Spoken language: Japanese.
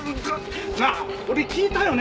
なあ俺聞いたよね？